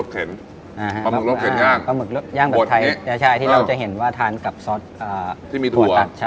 ปลาหมึกเข็นย่างปลาหมึกย่างผัดไทยที่เราจะเห็นว่าทานกับซอสที่มีถั่ว